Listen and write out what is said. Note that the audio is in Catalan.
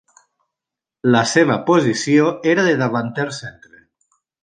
La seva posició era de davanter centre.